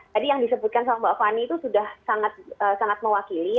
tadi yang disebutkan sama mbak fani itu sudah sangat mewakili